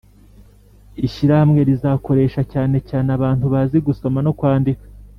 ishyirahamwe rizakoresha cyane cyane abantu bazi gusoma no kwandika